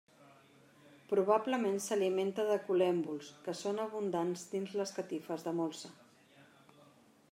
Probablement s'alimenta de col·lèmbols que són abundants dins les catifes de molsa.